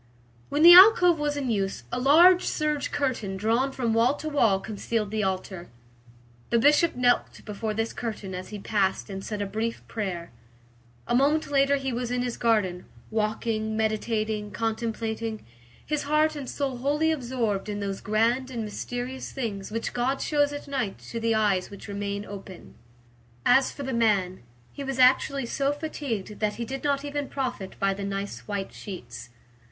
When the alcove was in use, a large serge curtain drawn from wall to wall concealed the altar. The Bishop knelt before this curtain as he passed and said a brief prayer. A moment later he was in his garden, walking, meditating, contemplating, his heart and soul wholly absorbed in those grand and mysterious things which God shows at night to the eyes which remain open. As for the man, he was actually so fatigued that he did not even profit by the nice white sheets.